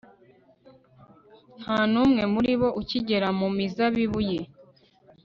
nta n'umwe muri bo ukigera mu mizabibu ye